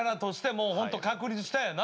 もうホント確立したんやな。